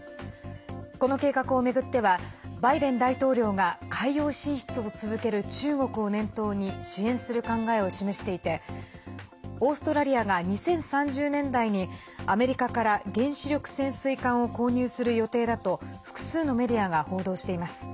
この計画を巡ってはバイデン大統領が海洋進出を続ける中国を念頭に支援する考えを示していてオーストラリアが２０３０年代にアメリカから原子力潜水艦を購入する予定だと複数のメディアが報道しています。